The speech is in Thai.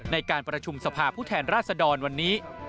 ในการประชุมสภาผู้แทนราชดรวันนี้